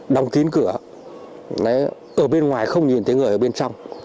đóng kín cửa ở bên ngoài không nhìn thấy người ở bên trong